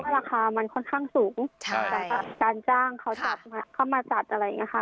ราคามันค่อนข้างสูงการจ้างเขามาจัดอะไรอย่างนี้ค่ะ